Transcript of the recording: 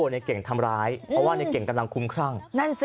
ในเก่งทำร้ายเพราะว่าในเก่งกำลังคุ้มครั่ง